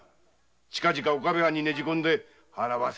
近々岡部藩にねじ込み払わせる。